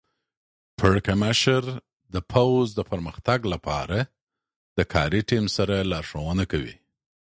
پړکمشر د پوځ د پرمختګ لپاره د کاري ټیم سره لارښوونه کوي.